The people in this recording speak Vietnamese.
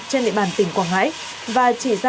trên địa bàn tỉnh quảng hải và chỉ ra